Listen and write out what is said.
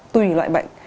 tùy loại bệnh